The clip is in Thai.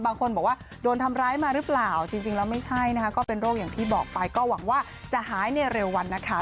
บางคนบอกว่าโดนทำร้ายมาหรือเปล่าจริงแล้วไม่ใช่นะคะก็เป็นโรคอย่างที่บอกไปก็หวังว่าจะหายในเร็ววันนะคะ